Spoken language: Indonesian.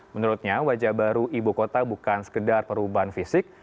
menurutnya wajah baru ibu kota bukan sekedar perubahan fisik